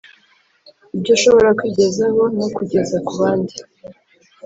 ibyo ushobora kwigezaho no kugeza ku bandi